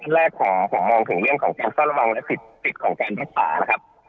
ที่แรกของมองถึงเรื่องของการซ่อมรวมและสิทธิ์ของการพยาบาลนะครับ